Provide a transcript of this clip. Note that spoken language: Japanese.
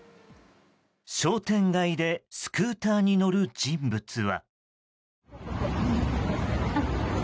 商店街でスクーターに乗る人物は。